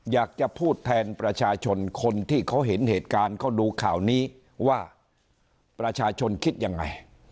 อยากจะพูดแทนประชาชนคนที่เขาเห็นเหตุการณ์เขาดูข่าวนี้ว่าประชาชนคิดยังไง